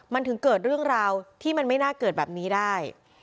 มันถึงเกิดเรื่องราวที่มันไม่น่าเกิดแบบนี้ได้